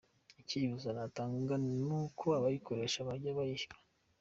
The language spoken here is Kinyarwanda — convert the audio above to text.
Icyifuzo natanga ni uko abayikoresha bajya bayishyura”.